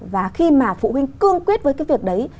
và khi mà phụ huynh cương quyết với cái việc đấy